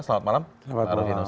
selamat malam rufinus